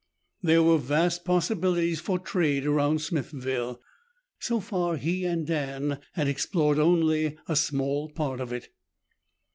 There were vast possibilities for trade around Smithville. So far he and Dan had explored only a small part of it.